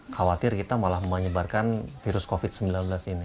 khawatir kita malah menyebarkan virus covid sembilan belas ini